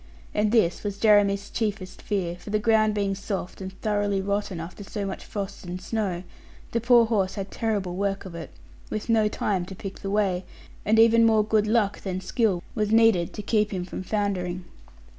And this was Jeremy's chiefest fear, for the ground being soft and thoroughly rotten, after so much frost and snow, the poor horse had terrible work of it, with no time to pick the way; and even more good luck than skill was needed to keep him from foundering.